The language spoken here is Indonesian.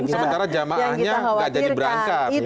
sementara jemaahnya gak jadi berangkat